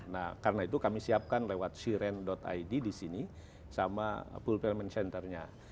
nah karena itu kami siapkan lewat siren id di sini sama full payment centernya